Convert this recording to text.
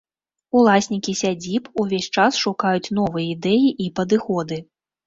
Уласнікі сядзіб увесь час шукаюць новыя ідэі і падыходы.